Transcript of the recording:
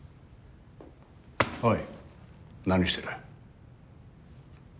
おい何してる？